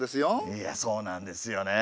いやそうなんですよね。